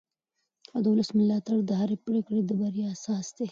د ولس ملاتړ د هرې پرېکړې د بریا اساس دی